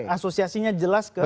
asosiasinya jelas ke prabowo